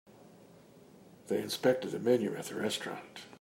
They inspected the menu at the restaurant.